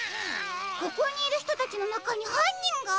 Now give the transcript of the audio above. ここにいるひとたちのなかにはんにんが？